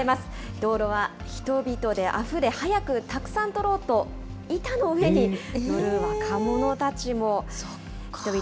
道路は人々であふれ、早くたくさん取ろうと板の上に乗る若者たちも。